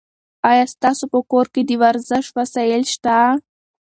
ایا ستاسو په کور کې د ورزش وسایل شته؟